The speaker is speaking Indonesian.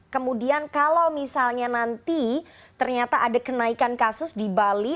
kemudian kalau misalnya nanti ternyata ada kenaikan kasus di bali